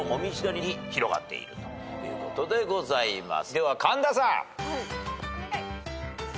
では神田さん。